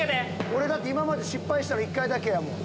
俺今まで失敗したの１回だけやもん。